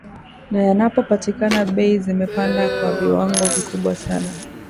na yanapopatikana bei zimepanda kwa viwango vikubwa sana